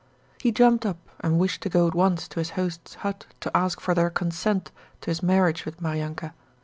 He jumped up and wished to go at once to his hosts' hut to ask for their consent to his marriage with Maryanka.